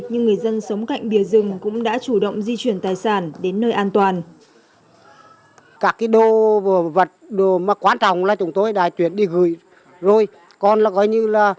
nhưng người dân sống cạnh bìa rừng cũng đã chủ động di chuyển tài sản đến nơi an toàn